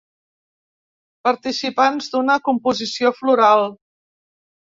Participants d’una composició floral.